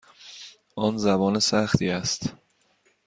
آن زبان سختی است.